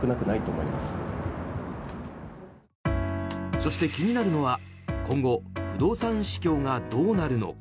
そして気になるのは、今後不動産市況がどうなるのか。